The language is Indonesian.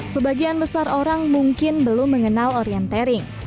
sebagian besar orang mungkin belum mengenal orientering